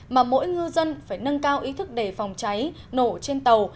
mà mỗi ngư dân phải nâng cao ý thức để phòng cháy nổ trên tàu